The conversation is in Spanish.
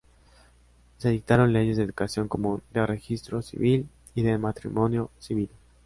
Se dictaron leyes de educación común, de registro civil y de matrimonio civil.